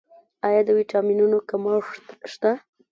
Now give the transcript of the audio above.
آیا د ویټامینونو کمښت شته؟